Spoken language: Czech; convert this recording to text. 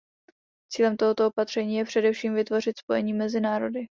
Cílem tohoto opatření je především vytvořit spojení mezi národy.